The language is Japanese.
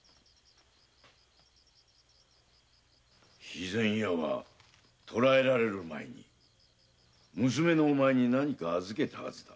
肥前屋は捕えられる前に娘のお前に何か預けたはずだ。